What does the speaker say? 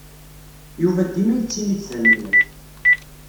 Yuba dima yettini-d tanemmirt.